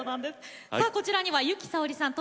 さあこちらには由紀さおりさん